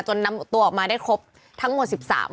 นำตัวออกมาได้ครบทั้งหมด๑๓คน